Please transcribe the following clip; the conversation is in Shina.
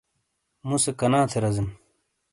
مُو سے کَنا تھے رَزیم؟